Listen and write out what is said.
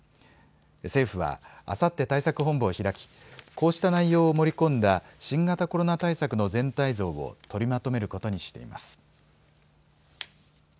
政府はあさって対策本部を開きこうした内容を盛り込んだ新型コロナ対策の全体像を取りまとめることにしています。